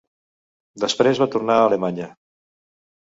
Després va tornar a Alemanya.